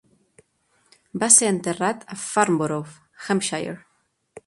Va ser enterrat a Farnborough, Hampshire.